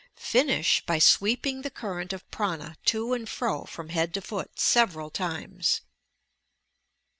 Finish by sweeping the current of "prana" to and fro from head to foot several times.